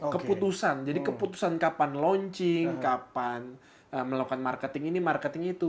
keputusan jadi keputusan kapan launching kapan melakukan marketing ini marketing itu